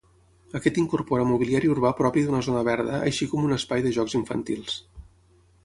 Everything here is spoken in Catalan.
Aquest incorpora mobiliari urbà propi d’una zona verda així com un espai de jocs infantils.